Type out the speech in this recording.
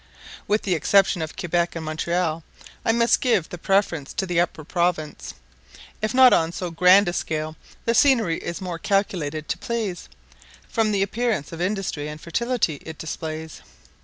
With the exception of Quebec and Montreal, I must give the preference to the Upper Province. If not on so grand a scale, the scenery is more calculated to please, from the appearance of industry and fertility it displays.